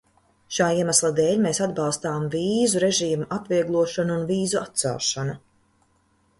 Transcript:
Šā iemesla dēļ mēs atbalstām vīzu režīma atvieglošanu un vīzu atcelšanu.